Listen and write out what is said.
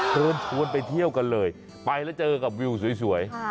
เชิญชวนไปเที่ยวกันเลยไปแล้วเจอกับวิวสวย